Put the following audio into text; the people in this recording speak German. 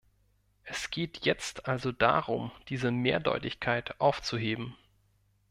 Es geht jetzt also darum, diese Mehrdeutigkeit aufzuheben.